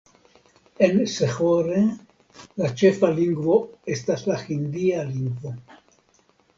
En Sehore la ĉefa lingvo estas la hindia lingvo.